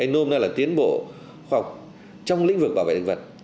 nôm ra là tiến bộ khoa học trong lĩnh vực bảo vệ thực vật